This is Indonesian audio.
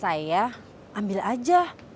dia nyamber ya